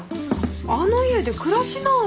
あの家で暮らしない。